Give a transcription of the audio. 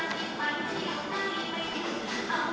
สวัสดีครับ